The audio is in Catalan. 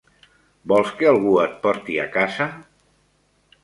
Vols que algú et porti a casa?